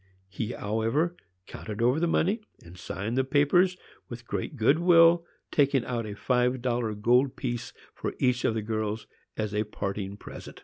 He, however, counted over the money and signed the papers with great good will, taking out a five dollar gold piece for each of the girls, as a parting present.